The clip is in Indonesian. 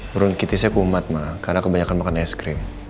brown hitties nya kumat ma karena kebanyakan makan es krim